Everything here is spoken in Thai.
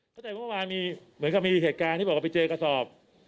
เข้าใจว่าเมื่อวานมีเหตุการณ์ที่บอกว่าไปเจอกระสอบ